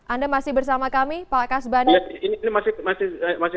anda masih bersama kami pak kasbani